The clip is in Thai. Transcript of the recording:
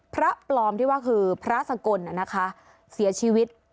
พระปลอมที่ว่าคือพระสกลเสียชีวิต